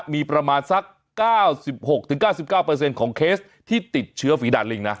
มีประมาณสัก๙๖๙๙ของเคสที่ติดเชื้อฝีดาดลิงนะ